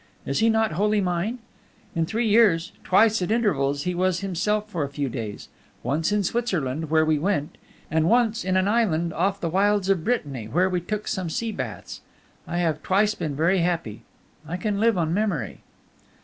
Is he not wholly mine? In three years, twice at intervals he was himself for a few days; once in Switzerland, where we went, and once in an island off the wilds of Brittany, where we took some sea baths. I have twice been very happy! I can live on memory."